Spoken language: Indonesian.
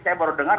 saya baru dengar